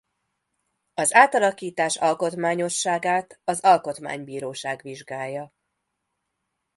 Az átalakítás alkotmányosságát az Alkotmánybíróság vizsgálja.